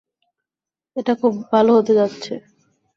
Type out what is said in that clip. এটা খুব ভালো হতে যাচ্ছে।